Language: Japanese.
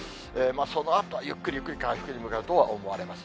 そのあとはゆっくりゆっくり回復に向かうとは思われます。